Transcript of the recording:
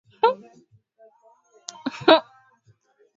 sita arobaini waliingia Misri Baadhi ya wenyeji Wakopti